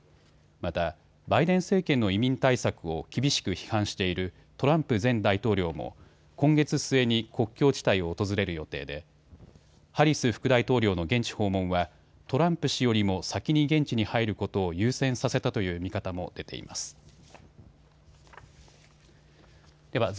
また、バイデン政権の移民対策を厳しく批判しているトランプ前大統領も今月末に国境地帯を訪れる予定でハリス副大統領の現地訪問はトランプ氏よりも先に現地に入ることを優先させたという見方も出ています。